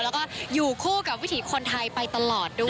แล้วก็อยู่คู่กับวิถีคนไทยไปตลอดด้วย